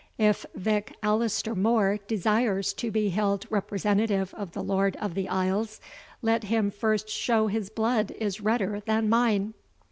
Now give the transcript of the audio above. If Vich Alister More desires to be held representative of the Lord of the Isles, let him first show his blood is redder than mine."